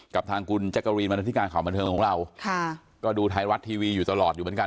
กับทางคุณแจ๊กกะรีนมานาธิการข่าวบันเทิงของเราค่ะก็ดูไทยรัฐทีวีอยู่ตลอดอยู่เหมือนกัน